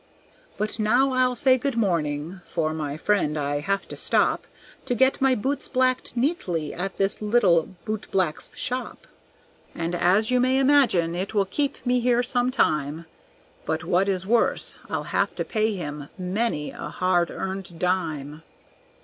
But now I'll say good morning; for, my friend, I have to stop To get my boots blacked neatly at this little boot black's shop; And, as you may imagine, it will keep me here some time, But, what is worse, I'll have to pay him many a hard earned dime."